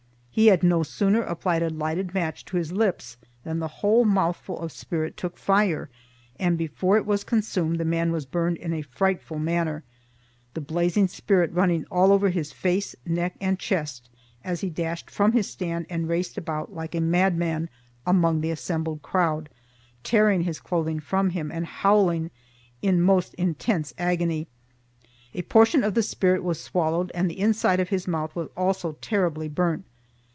He had no sooner applied a lighted match to his lips than the whole mouthful of spirit took fire and before it was consumed the man was burned in a frightful manner, the blazing spirit running all over his face, neck and chest as he dashed from his stand and raced about like a madman among the assembled crowd, tearing his clothing from him and howling in most intense agony. A portion of the spirit was swallowed and the inside of his mouth was also terribly burnt.